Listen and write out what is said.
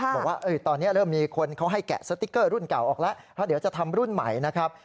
บอกว่าตอนนี้เริ่มมีคนเขาให้แกะสติ๊กเกอร์รุ่นเก่าออกแล้วเพราะเดี๋ยวจะทำรุ่นใหม่นะครับ